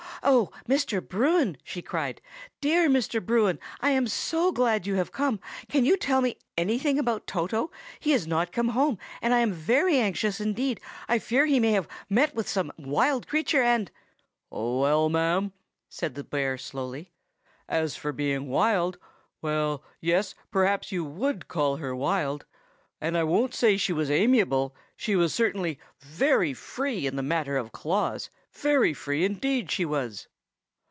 "Oh, Mr. Bruin!" she cried. "Dear Mr. Bruin, I am so glad you have come! Can you tell me anything about Toto? He has not come home, and I am very anxious indeed. I fear he may have met some wild creature, and—" "Well, ma'am," said the bear slowly, "as for being wild—well, yes; perhaps you would call her wild. And I don't say she was amiable, and she was certainly very free in the matter of claws; very free, indeed, she was!"